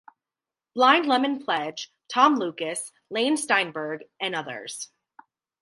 Blind Lemon Pledge, Tom Lucas, Lane Steinberg, and others.